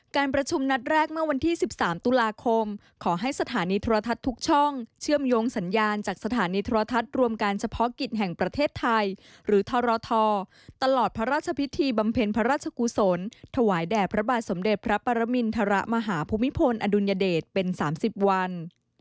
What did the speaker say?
การประชุมนัดแรกเมื่อวันที่๑๓ตุลาคมขอให้สถานีโทรทัศน์ทุกช่องเชื่อมโยงสัญญาณจากสถานีโทรทัศน์รวมการเฉพาะกิจแห่งประเทศไทยหรือทรทตลอดพระราชพิธีบำเพ็ญพระราชกุศลถวายแด่พระบาทสมเด็จพระปรมินทรมาหาภูมิพลอดุลยเดชเป็น๓๐วัน